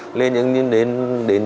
nên đến những hệ thống của siêu thị uy tín